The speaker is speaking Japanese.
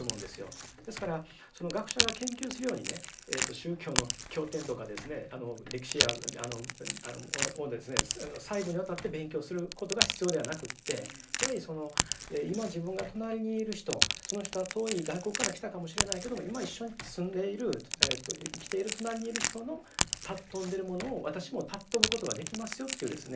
ですから学者が研究するようにね宗教の経典とかですね歴史や細部にわたって勉強することが必要ではなくってやはり今自分が隣にいる人その人は遠い外国から来たかもしれないけども今一緒に住んでいる生きている隣にいる人の尊んでるものを私も尊ぶことができますよというですね